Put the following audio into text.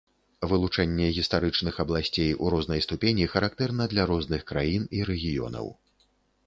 Вылучэнне гістарычных абласцей у рознай ступені характэрна для розных краін і рэгіёнаў.